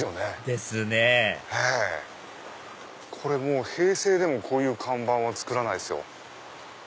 ですね平成でもこういう看板は作らないですよ。